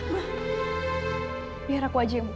ma biar aku aja yang buka